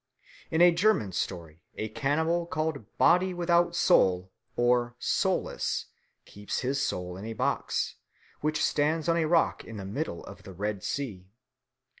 In a German story a cannibal called Body without Soul or Soulless keeps his soul in a box, which stands on a rock in the middle of the Red Sea.